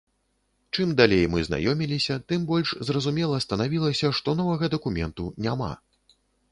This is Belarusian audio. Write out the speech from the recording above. Чым далей мы знаёміліся, тым больш зразумела станавілася, што новага дакументу няма.